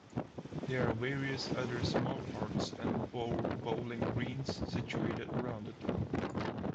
There are various other small parks and bowling greens situated around the town.